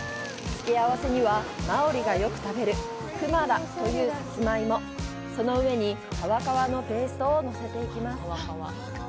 付け合わせには、マオリがよく食べるクマラというサツマイモ、その上にカワカワのペーストをのせています。